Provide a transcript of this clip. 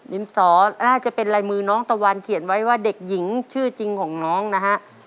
ริมสอน่าจะเป็นลายมือน้องตะวันเขียนไว้ว่าเด็กหญิงชื่อจริงของน้องนะฮะ